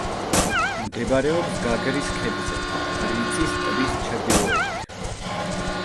მდებარეობს გაგრის ქედზე, რიწის ტბის ჩრდილოეთით.